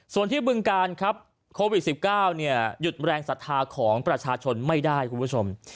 ส่วนที่บึงการครับโควิด๑๙หยุดแรงศรัทธาของประชาชนไม่ได้คุณผู้ชม